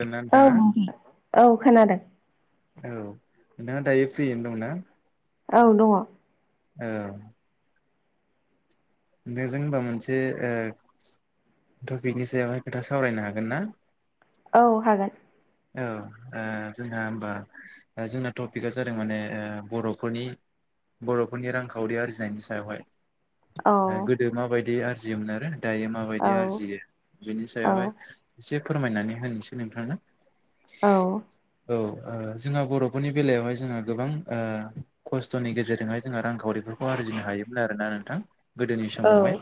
दोंना औ नोंथाङा औ खोनादों। औ नोंथाङा दायो फ्रियैनो दंना? औ दङ। ओ दे जों होनबा मोनसे ओ टपिकनि सायावहाय खोथा सावरायनो हागोन ना? औ हागोन। औ ओ जोंहा होमबा ओ जोंना टपिकआ जादों माने ओ बर'फोरनि बर'फोरनि रांखावरि आरजिनायनि सायावहाय। औ ओ गोदो माबायदि आरजियोमोन आरो दायो औ माबायदि आरजियो बिनि औ सायावहाय एसे फोरमायनानै होनोसै नोंथांनो। औ। औ ओ जोंहा बर'फोरनि बेलायावहाय जोंहा गोबां ओ ख स्थ'नि गेजेरजोंहाय जोंहा रांखावरिफोरखौ आरजिनो हायोब्ला आरो ना नोंथां गोदोनि औ समावहाय।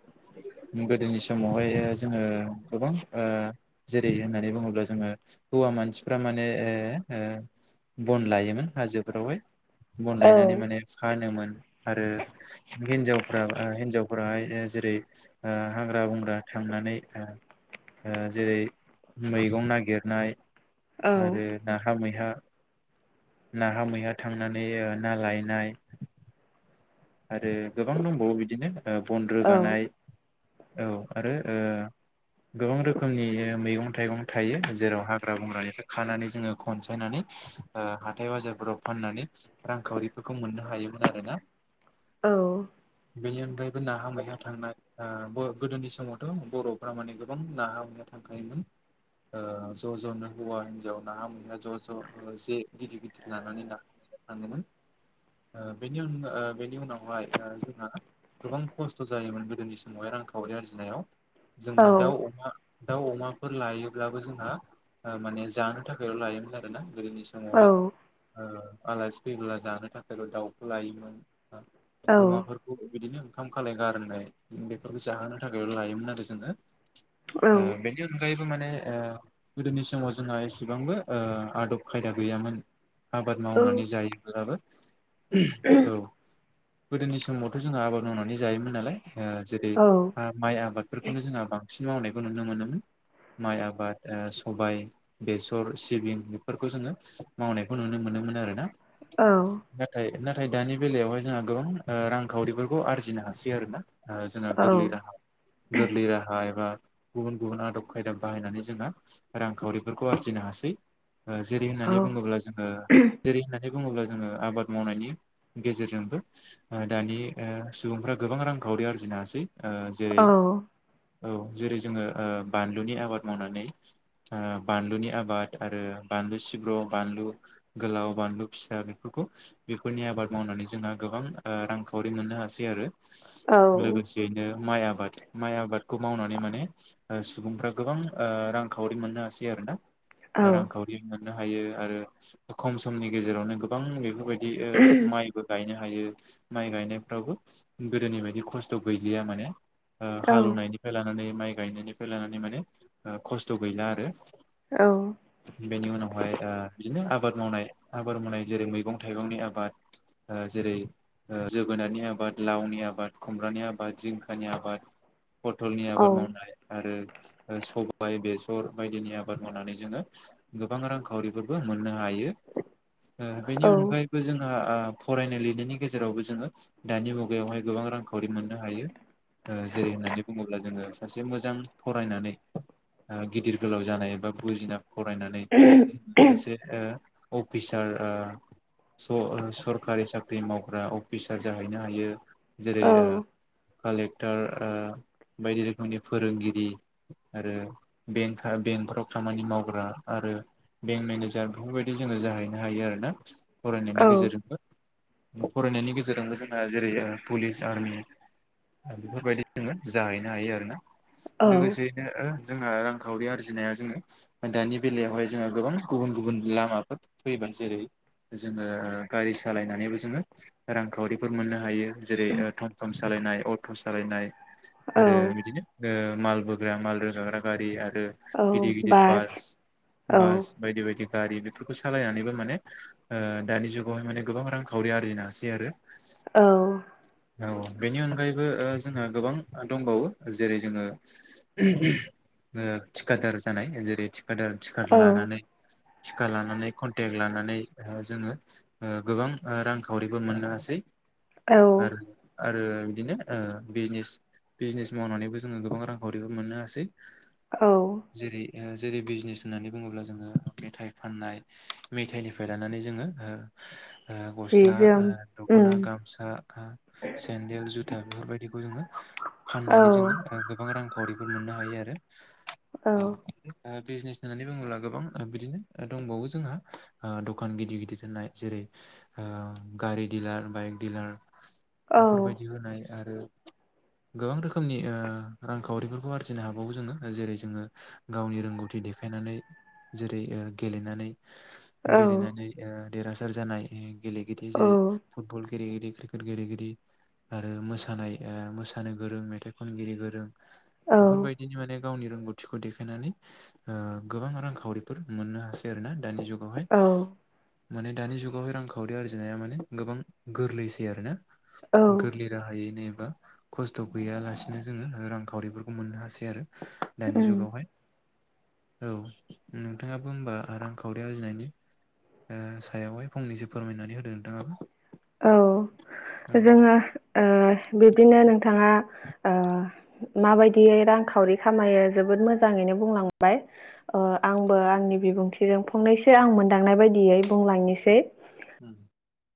[inaudible] गोदोनि समावहाय ओ जोङो गोबां ओ जेरै होननानै बुङोब्ला जोङो हौवा मानसिफ्रा माने ओ ओ बन लायोमोन हाजोफोरावहाय बन औ लायनानै माने फानोमोन आरो हिनजाव फोरा आ हिनजावफोराहाय जेरै ओ हाग्रा-बंग्रा थांनानै ओ जेरै मैगं नागिरनाय आरो नाहा मैहा नाहा-मैहा थांनानै ओ ना लायनाय आरो गोबां दंबावो बिदिनो ओ बन रोगानाय औ आरो ओ गोबां रोखोमनि मैगं-थाइगं थायो जेराव हाग्रा- बंग्रानिफ्राय खानानै जोङो खनसायनानै ओ हाथाय बाजारफोराव फाननानै रांखावरिफोरखौ मोननो हायोमोन आरोना। बेनि अनगायैबो नाहा-मैहा थांनाय आं बोयक गोदोनि समावथ' बर'फ्रा माने गोबां नाहा मैहा थांखायोमोन। ओ ज' ज'नो हौवा हिन्जाव नाहा मोहा ज' ज' ओ जे गिदिर गिदिर लानानै नाहा थाङोमोन। ओ बेनि आनगा ओ बेनि उनावहाय ओ जोंहा गोबां खस्थ' जायोमोन गोदोनि समावहाय रांखावरि आरजिनायाव जोङो दाउ, अमा दाउ अमाफोर लायोब्लाबो जोंहा ओ माने जानो थाखायल' लायोमोन आरो ना गोदोनि समावहाय आलासि ओ फैब्ला जानो थाखायबो दाउखौ लायोमोन। अमाफोरखौ बिदिनो ओंखाम खालाय गारनाय बेफोरखौ जाहोनो थाखाय लायोमोन आरो जोङो। ओ बेनि अन गायैबो माने ओ गोदोनि समाव जोंहा एसेबांबो आदब खायदा गैयामोन। आबाद मावनानै जायोब्लाबो औ गोदोनि समावथ' जोंहा आबाद मावनानै जायोमोन नालाय। ओ जेरै औ औ माइ आबादफोरखौनो जोंहा बांसिन मावनायखौ नुनो मोनोमोन। माइ आबाद ओ सबाय, बेसर, सिबिं बेफोरखौ जोङो मावनायखौ नुनो मोनो मोन आरोना। औ नाथाय नाथाय दानि बेलायावहाय जोंहा गोबां ओ रांखावरिफोरखौ आरजिनो हासै आरोना ओ जोंहा औ गोरलै राहा गोरलै राहा एबा गुबुन गुबुन आदब खायदा बाहायनानै जोंहा रांखावरिफोरखौ आरजिनो हासै। ओ जेरै होननानै बुङोब्ला जोङो जेरै होननानै बुङोब्ला जोङो आबाद मावनायनि गेजेरजोंबो ओ दानि ओ सुबुंफ्रा गोबां रांखावरि आरजिनो हासै। ओ जेरै औ जेरै जोङो ओ बानलुनि आबाद मावनानै ओ बानलुनि आबाद आरो बानलु सिब्र', बानलु गोलाव, बानलु फिसा बेफोरखौ बेफोरनि आबाद मावनानै जोंहा गोबां ओ रांखावरि मोननो हासै आरो लोगोसेैनो माय आ आबाद माइ आबादखौ मावनानै माने सुबुंफ्रा गोबां रांखावरि मोननो हासै आरोना। रांखावरि मोननो हायो आरो खम समनि गेजेरावनो गोबां बेफोरबायदि। ओ [inaudible] माइबो गायनो हायो माइ गायनायफ्रावबो गोदोनि बायदि खस्थ' गैलिया माने। हालेवनायनिफ्राय लानानै माइ गायनायनिफ्राय लानानै माने खस्थ' गैला आरो। बेनि उनावहाय ओ। बिदिनो आबाद मावनाय आबाद मावनाय जेरै मैगं थाइगंनि आबाद। जेरै जोगोनारनि आबाद लावनि आबाद खुमब्रानि आबाद जिंखानि आबाद। पथलनि आबाद मावनाय आरो। सबाय बेसर बायदिनि आबाद मावनानै जोङो गोबां रांखावरिफोरबो मोननो हायो। बेनि अनगायैबो जोंहा। फरायनाय लिरनायनि गेजेरावबो जोङो दानि मुगायावहाय गोबां रांखावरि मोननो हायो। जेरै होननानै बुङोब्ला जोङो सासे मोजां फरायनानै। आ गिदिर गोलाव जानाय एबा बुजिना फरायनानै सासे ओ अफिसार ओ स ओ सरखारि साख्रि मावग्रा अफिसार जाहैनो हायो जेरै ओ कालेक्टार ओ बायदि रोखोमनि फोरोंगिरि आरो बेंका बेंकफोराव खामानि मावग्रा आरो बेंक मेनेजार बेफोरबायदि जोङो जाहैनो हायो आरोना फरायनायनि गेजेरजोंबो फरायनायनि गेजेरजोंबो जोंहा जेरै पुलिस आर्मी बेफोरबायदि जोङो जाहैनो हायो आरोना लोगोसेयैनो जोंना रांखावरि आरजिनाया जोङो दानि बेलायावहाय जोंहा गोबां गुबुन गुबुन लामाफोर फैबाय। जेरै जोंङो गारि। सालायनानैबो जोङो रांखावरिफोर मोननो हायो जेरै थम थम सालायनाय अट' सालायनाय। आरो बिदिनो ओ माल बोग्रा माल रोगाग्रा गारि आरो। गिदिर गिदिर बास औ बास बायदि बायदि। गारि बेफोरखौ सालायनानैबो माने ओ दानि जुगावहाय माने गोबां रांखावरि आरजिनो हासै आरो। औ। औ बेनि अनगायैबो ओ जोंहा गोबां दंबावो जेरै जोङो। ओ थिखादार जानाय जेरै थिखादार थिक औ लानानै। टिका लानानै कन्टेक्ट लानानै ओ जोङो ओ गोबां रांखावरिबो मोननो हासै। औ। आरो आरो बिदिनो ओ बिजनेस बिजनेस मावनानैबो जोङो गोबां रांखावरिबो मोननो हासै। औ। जेरै जेरै बिजनेस होननानै बुङोब्ला जोङो मेथाइ फाननाय मेथाइनिफ्राय लानानै जोङो ओ औ जि गस्ला जोम ओ दख'ना उम गामसा ओ सेन्देल जुथा बेफोरबायदिखौ जोङो। औ फाननानै जोङो गोबां रांखावरिफोर मोननो हायो आरो औ ओ बिजनेस होननानै बुङोब्ला गोबां बिदिनो दंबावो जोंहा ओ दखान गिदिर गिदिर होनाय जेरै ओ गारि दिलार बाइक डिलार औ बेफोरबायदि होनाय। आरो गोबां रोखोमनि ओ रांखावरिफोरखौ आरजिनो हाबावो जोङो जेरै जोङो गावनि रोंगौथि। देखायनानै जेरै ओ गेलेनानै। औ गेलेनानै ओ देरहासार जानाय गेलेगिरि जेरै औ फुटबल। गेलेगिरि क्रिकेट गेलेगिरि आरो मोसानाय मोसानो गोरों मेथाइ खनगिरि गोरों। औ बेफोरबायदिनि माने। गावनि रोंगौथिखौ देखायनानै ओ गोबां रांखावरिफोर मोननो हासै आरोना दानि जुगाव। हाय औ माने दानि जुगावहाय रांखावरि आरजिनाया माने गोबां गोरलैसै आरोना। गोरलै राहायैनो। खस्थ' गैयालासिनो जोङो रांखावरिफोरखौ मोननो हासै आरो। दानि उम जुगावहाय। औ नोंथाङाबो होमबा रांखावरि आरजिनायनि ओ सायावहाय फंनैसो फोरमायनानै होदो नोंथाङाबो औ औ जोङो ओ बिदिनो नोंथाङा ओ [inaudible] माबायदियै रांखावरि खामायो जोबोद मोजाङैनो बुंलांबाय अ आंबो आंनि बिबुंथिजों फंनैसो आं मोनदांनाय बायदियै बुंलांनिसै [inaudible]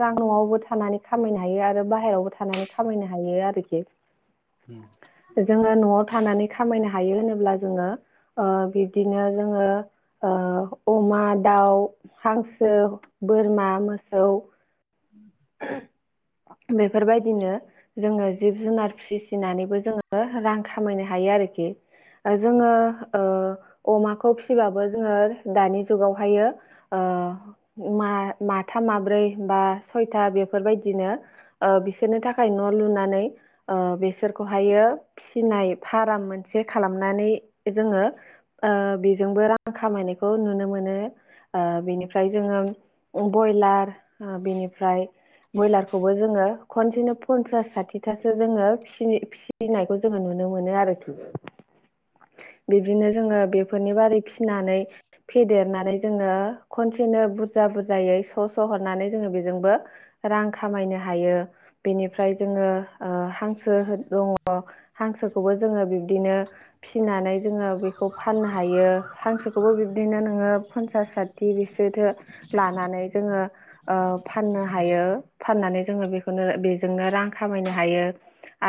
रां नआवबो थानानै खामायनो हायो आरो बाहेरायावबो थानानै खामायनो हायो आरोखि उम जोङो नआव थानानै खामायनो हायो होनोब्ला जोङो ओ बिब्दिनो जोङो ओ अमा दाउ हांसो बोरमा मोसौ [inaudible] बेफोरबायदिनो जोङो जिब जुनार फिसिनानैबो जोङो रां खामायनो हायो आरो खो जोङो ओ अमाखौ फिबाबो जोङो दानि जुगावहायो ओ मा मा थाम माब्रै बा सयथा बेफोरबायदिनो ओ बिसोरनि थाखाय न लुनानै ओ बेसोरखौहायो फिनाय फाराम मोनसे खालामनानै जोङो ओ बेजोंबो रां खालाम खामायनायखौ नुनो मोनो। ओ बिनिफ्राय जोङो बयलार बेनिफ्राय बयलारखौबो जोङो खनसेनो पन्सास साथिथासो जोङो फिनि फिनायखौ जोङो नुनो मोनो आरोखि [inaudible] बिब्दिनो जोङो बेफोरनि बारै फिनानै फेदेरनानै जोङो खनसेनो बुरजा बुरजायै स स हरनानै जोङो बे जोंबो रां खामायनो हायो बेनिफ्राय जोङो ओ हांसो दङ। हांसोखौबो जोङो बिब्दिनो फिनानै जोङो बेखौ फाननो हायो हां फोरखौबो बिब्दिनो नोङो फनसास साथि बिसोरथो लानानै जोङो ओ फाननो हायो। फाननानै जोङो बेखौनो बेजोंनो रां खामायनो हायो।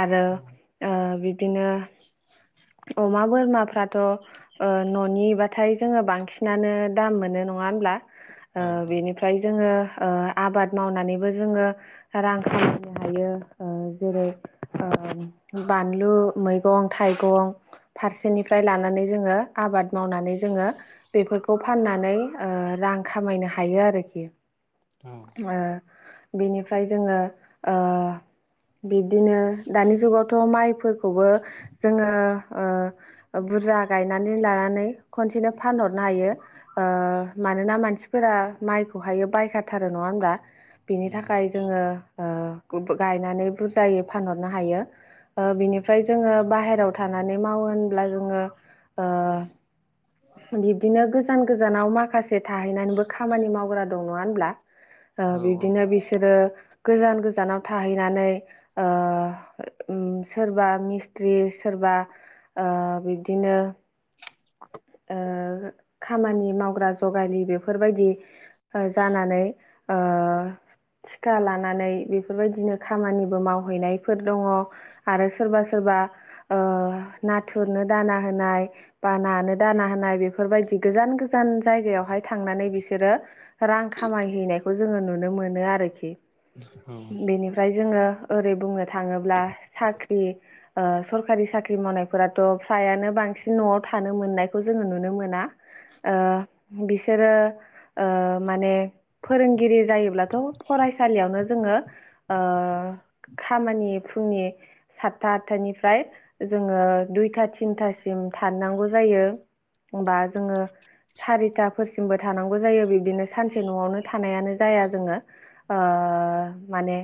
आरो ओ बिब्दिनो अमा बोरमाफ्राथ ओ ननि बाथाय जोङो बांसिनानो दाम मोनो। नङा होनब्ला ओ औ बेनिफ्राय जोङो ओ आबाद मावनानैबो जोङो रां खामायनो हायो। ओ जेरै ओ बानलु मैगं थाइगं फारसेनिफ्राय लानानै जोङो आबाद मावनानै जोङो बेफोरखौ फाननानै ओ रां खामायनो हायो आरोखि। औ बेनिफ्राय जोङो ओ बिब्दिनो दानि जुगावथ माइफोरखौबो जोङो ओ बुरजा गायनानै लानानै खनसेनो फानहरनो हायो ओ मानोना मानसिफोरा माइखौहायो बायखाथारो नङा होमब्ला बिनि उम थाखाय जोङो [inaudible] ओ गायनानै बुरजायै फानहरनो हायो। ओ बिनिफ्राय जोङो बाहेरायाव थानानै मावो होनब्ला जोङो ओ बिब्दिनो गोजान गोजानाव माखासे थाहैनानैबो खामानि मावग्रा दं नङा होनब्ला। ओ औ बिब्दिनो बिसोरो गोजान गोजानाव थाहैनानै ओ ओं सोरबा मिस्थ्रि सोर बा ओ बिदिनो ओ खामानि मावग्रा जगालि बेफोरबायदि ओ जानानै ओ थिखा लानानै बेफोरबायदिनो खामानिबो मावहैनायफोर दङ आरो सोरबा सोरबा ओ नाथुरनो दाना होनाय बा नानो दाना होनाय बे बेफोरबायदि गोजान गोजान जायगायावहाय थांनानै बिसोरो रां खामायहैनाय खौ जोङो नुनो मोनो आरोखि। बेनिफ्राय जोङो ओरै बुंनो थाङोब्ला साख्रि सरखारि साख्रि मावनायफोराथ' फ्रायानो बांसिन न'आव थानो मोननाय खौ जोङो नुनो मोना। ओ बिसोरो माने फोरोंगिरि जायोब्लाथ' फराय फरायसालियावनो जोङो खामानि फुंनि सतथा आतथानिफ्राय जोङो दुइथा थिनथासिम थाननांगौ जायो। बा जोङो सारिथा फोरसिमबो थानांगौ जायो। बिब्दिनो सानसे न'आवनो थानायानो जाया जोङो ओ ओ माने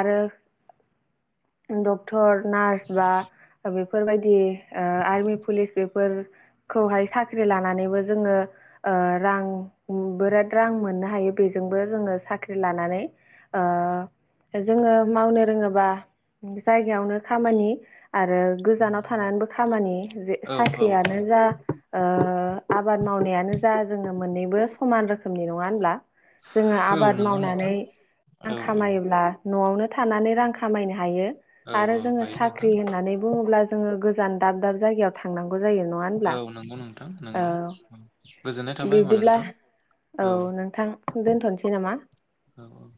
आरो [inaudible] डक्टर नार्स बा बेफोरबायदि ओ आर्मि पुलिस बेफोर खौहाय साख्रि लानानैबो जोङो ओ रां बिराद रां मोननो हायो बेजोंबो जोङो साख्रि लानानै ओ जोङो मावनो रोङोबा जायगायावनो खामानि आरो गोजानाव थानानैबो खामानि जे औ औ साख्रियानो जा ओ ओ आबाद मावनायानो जा जोङो मोननैबो समान रोखोमनि नङा होनब्ला जोङो औ आबाद नंगौ मावनानै नोंथां औ रां खामायोब्ला न'आवनो थानानै रां खामायनो हायो। औ आरो औ जोङो हायो नोंथां साख्रि होननानै बुङोब्ला जोङो गोजान दाब दाब जायगायाव थांनां गौ जायो नङा औ होमब्ला नंगौ नोंथां नंगौ गोजोननाय थाबाय होमबा बिब्दिब्ला नोंथां औ नोंथां दोनथ'नोसै नामा औ औ